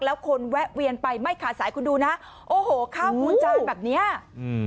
แล้วคนแวะเวียนไปไม่ขาดสายคุณดูนะโอ้โหข้าวหมูจานแบบเนี้ยอืม